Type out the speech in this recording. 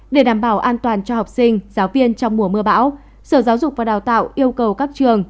để đảm bảo an toàn cho học sinh giáo viên trong mùa mưa bão sở giáo dục và đào tạo yêu cầu các trường